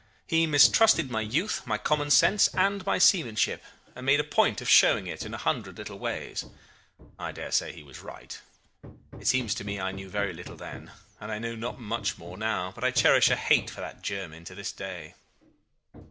He mistrusted my youth, my common sense, and my seamanship, and made a point of showing it in a hundred little ways. I dare say he was right. It seems to me I knew very little then, and I know not much more now; but I cherish a hate for that Jermyn to this day.